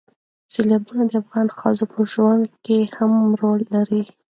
سیلابونه د افغان ښځو په ژوند کې هم رول لري.